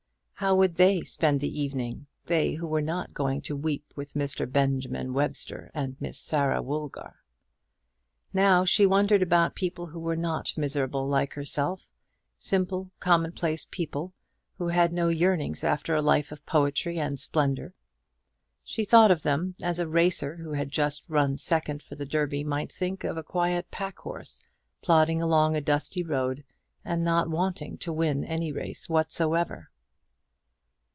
How would they spend the evening, they who were not going to weep with Mr. Benjamin Webster, or Miss Sarah Woolgar? Now she wondered about people who were not miserable like herself simple commonplace people, who had no yearnings after a life of poetry and splendour. She thought of them as a racer, who had just run second for the Derby, might think of a quiet pack horse plodding along a dusty road and not wanting to win any race whatsoever.